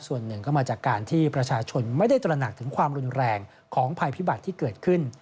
ส่วนหนึ่งก็มาจากการที่ประชาชนไม่ได้ตระหนักถึงความรุนแรงของภัยพิบัติที่เกิดขึ้น